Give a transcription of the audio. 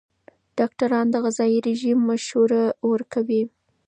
ډاکټران د غذايي رژیم مشوره ورکوي.